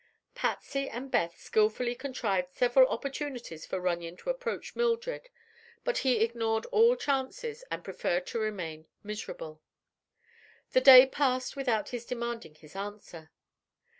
Patsy and Beth skillfully contrived several opportunities for Runyon to approach Mildred, but he ignored all chances and preferred to remain miserable. The day passed without his demanding his answer.